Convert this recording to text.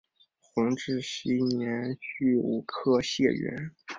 弘治十一年戊午科解元。